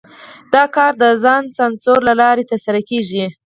دا کار د ځان سانسور له لارې ترسره کېږي.